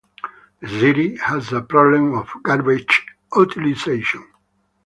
The city has a problem of garbage utilization.